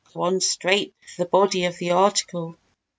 (Go on straight to the body of the article.)